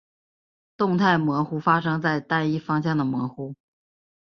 动态模糊发生在单一方向的模糊。